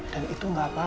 dan itu gak apa apa